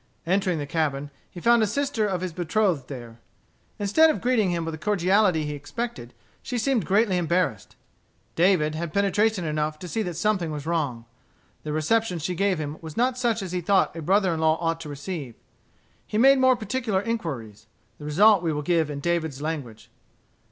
Entering the cabin, he found a sister of his betrothed there. Instead of greeting him with the cordiality he expected, she seemed greatly embarrassed. David had penetration enough to see that something was wrong. The reception she gave him was not such as he thought a brother in law ought to receive. He made more particular inquiries. The result we will give in David's language.